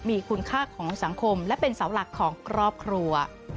มีคุณค่าของสังคมและเป็นเสาหลักของครอบครัว